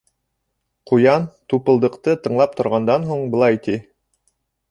Ҡуян, Тупылдыҡты тыңлап торғандан һуң, былай ти: